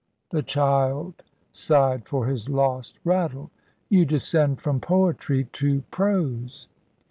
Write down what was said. the child sighed for his lost rattle; "you descend from poetry to prose."